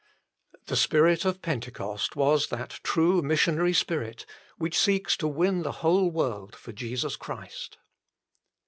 The Spirit of Pentecost was that true missionary Spirit which seeks to win the whole world for Jesus Christ.